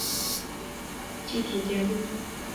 积体电路